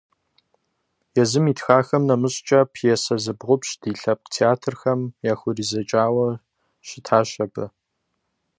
Езым итхахэм нэмыщӏкӏэ, пьесэ зыбгъупщӏ ди лъэпкъ театрхэм яхузэридзэкӏауэ щытащ абы.